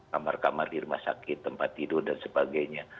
kamar kamar di rumah sakit tempat tidur dan sebagainya